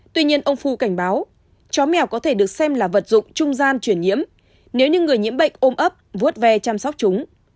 tuy nhiên ông phu cảnh báo chó mèo có thể được xem là vật dụng trung gian truyền nhiễm nếu những người nhiễm bệnh ôm ấp vuốt ve chăm sóc chúng